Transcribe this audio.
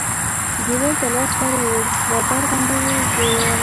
دیوال ته لاس ور ووړ رابر غوندې و ژور و.